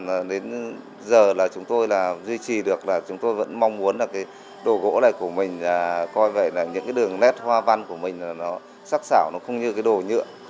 mà đến giờ là chúng tôi là duy trì được là chúng tôi vẫn mong muốn là cái đồ gỗ này của mình coi vậy là những cái đường nét hoa văn của mình là nó sắc xảo nó không như cái đồ nhựa